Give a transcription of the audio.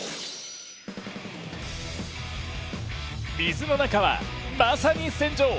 水の中はまさに戦場。